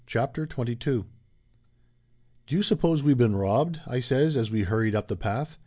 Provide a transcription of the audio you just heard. CHAPTER XXII C< 1T\O you suppose we been robbed?" I says as we *^ hurried up the path.